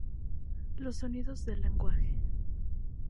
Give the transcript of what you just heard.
Los sonidos del lenguaje.